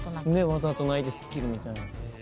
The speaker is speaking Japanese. わざと泣いてすっきりみたいな。